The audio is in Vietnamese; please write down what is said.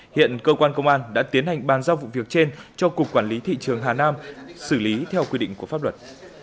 hiện cơ quan công an đã tiến hành bàn giao vụ việc trên cho cục quản lý thị trường hà nam xử lý theo quy định của pháp luật